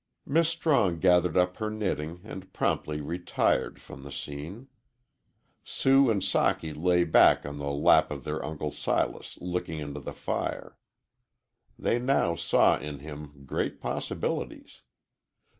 Miss Strong gathered up her knitting and promptly retired, from the scene. Sue and Socky lay back on the lap of their Uncle Silas looking into the fire. They now saw in him great possibilities.